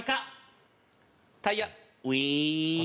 タイヤウイーン！